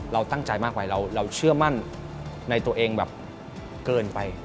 เราตั้งใจมากกว่าเราเชื่อมั่นในตัวเองแบบเกินไป